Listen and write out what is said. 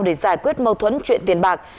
để giải quyết mâu thuẫn chuyện tiền bạc